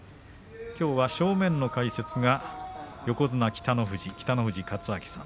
きょうは正面の解説が横綱北の富士北の富士勝昭さん。